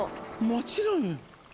もちろんよ。